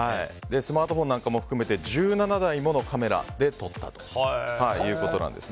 スマートフォンなんかも含めて１７台ものカメラで撮ったということなんです。